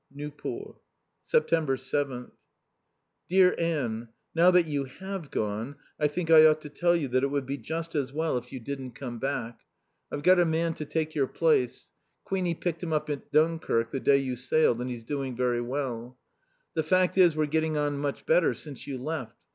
Nieuport. September 7th. Dear Anne, Now that you have gone I think I ought to tell you that it would be just as well if you didn't come back. I've got a man to take your place; Queenie picked him up at Dunkirk the day you sailed, and he's doing very well. The fact is we're getting on much better since you left.